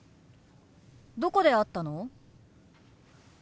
どこで会ったの？